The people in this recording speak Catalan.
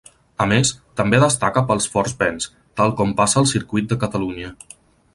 A més també destaca pels forts vents, tal com passa al Circuit de Catalunya.